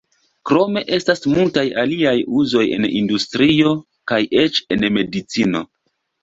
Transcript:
Krome estas multaj aliaj uzoj en industrio, kaj eĉ en medicino.